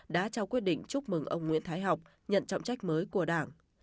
đã trao quyết định chúc mừng ông nguyễn thái học nhận trọng trách mới của đảng